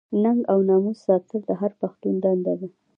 ننګ او ناموس ساتل د هر پښتون دنده ده.